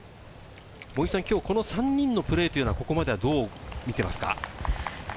この３人のプレーはここまではどう見ていますか？